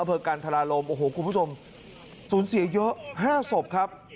อเผิกการทาราลมโอ้โหคุณผู้ชมศูนย์เสียเยอะห้าศพครับ